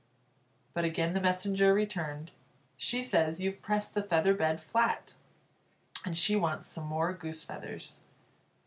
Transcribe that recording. But again the messenger returned: "She says you've pressed the feather bed flat, and she wants some more goose feathers."